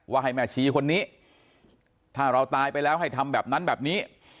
ให้แม่ชีคนนี้ถ้าเราตายไปแล้วให้ทำแบบนั้นแบบนี้